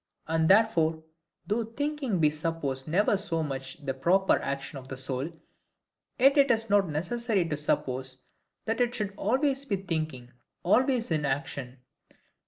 And therefore, though thinking be supposed never so much the proper action of the soul, yet it is not necessary to suppose that it should be always thinking, always in action.